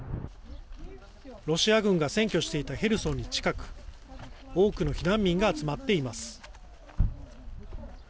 ロシア軍が占拠していたヘルソンに近く、多くの避難民が集まっています。